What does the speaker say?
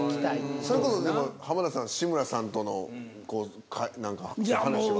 それこそでも浜田さん志村さんとの何か話が。